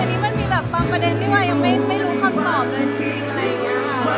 อันนี้มันมีแบบบางประเด็นที่วายยังไม่รู้คำตอบเลยจริงอะไรอย่างนี้ค่ะ